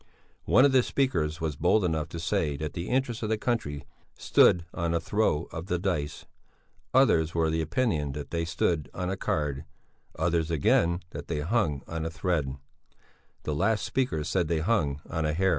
One of the speakers was bold enough to say that the interests of the country stood on a throw of the dice; others were of the opinion that they stood on a card, others again that they hung on a thread; the last speaker said they hung on a hair.